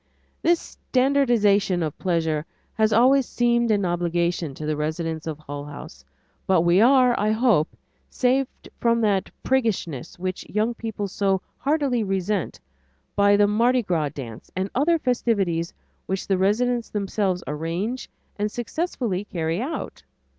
This standardizing of pleasure has always seemed an obligation to the residents of Hull House, but we are, I hope, saved from that priggishness which young people so heartily resent, by the Mardi Gras dance and other festivities which the residents themselves arrange and successfully carry out.